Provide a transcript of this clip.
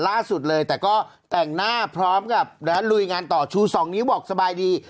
ล่าสุดเลยแต่ก็แต่งหน้าพร้อมกับลุยงานต่อชู๒นิ้วบอกสบายดี